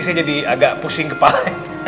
saya jadi agak pusing kepala